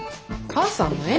母さんはね